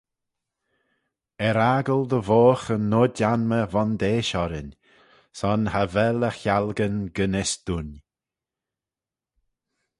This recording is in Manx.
Er-aggle dy voghe yn Noid-anmey vondeish orrin: son cha vel e chialgyn gyn-yss dooin.